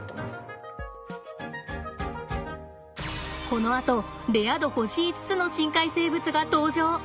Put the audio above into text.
このあとレア度星５つの深海生物が登場！